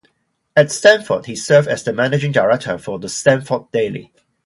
At Stanford he served as managing editor for "The Stanford Daily".